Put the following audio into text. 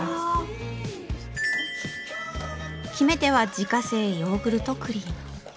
決め手は自家製ヨーグルトクリーム。